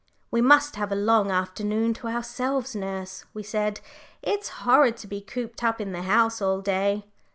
"We must have a long afternoon to ourselves, nurse," we said. "It's horrid to be cooped up in the house all day."